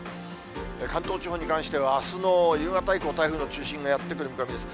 関東地方に関しては、あすの夕方以降、台風の中心がやって来る見込みです。